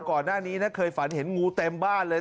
ก่อนหน้านี้นะเคยฝันเห็นงูเต็มบ้านเลย